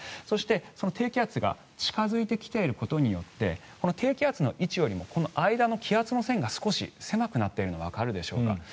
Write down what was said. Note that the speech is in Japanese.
そして、その低気圧が近付いてきていることによってこの低気圧の位置よりも間の気圧の線が少し狭くなっているのがわかるでしょうか。